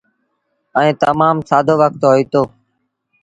ائيٚݩ تمآم سآدو وکت هوئيٚتو۔